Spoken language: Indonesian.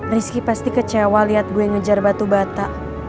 rizky pasti kecewa liat gue ngejar batu bata